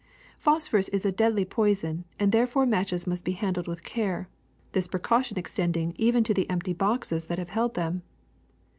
^'Phosphorus is a deadly poison, and therefore matches must be handled with care, this precaution extending even to the empty boxes that have held them.